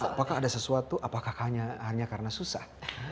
apakah ada sesuatu apakah hanya karena susah